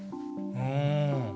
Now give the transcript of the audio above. うん。